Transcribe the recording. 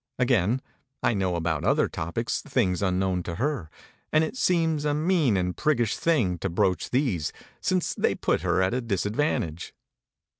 Again, I know about other topics things unknown to her, and it seems a mean and priggish thing to broach these, since they put her at a disadvantage.